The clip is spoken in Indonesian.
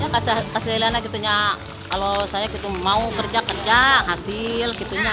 pasilnya gitu nya kalau saya mau kerja kerja hasil gitu nya